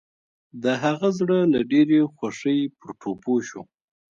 د هغه زړه له ډېرې خوښۍ پر ټوپو شو.